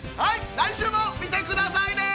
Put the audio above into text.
来週も見て下さいね！